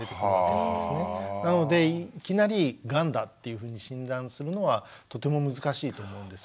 なのでいきなりがんだっていうふうに診断するのはとても難しいと思うんです。